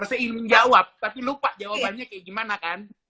rasanya ingin jawab tapi lupa jawabannya kayak gimana kan